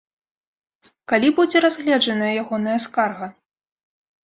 Калі будзе разгледжаная ягоная скарга?